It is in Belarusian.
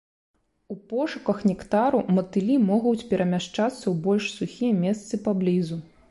У пошуках нектару матылі могуць перамяшчацца ў больш сухія месцы паблізу.